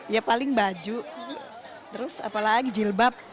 ya paling baju terus apalagi jilbab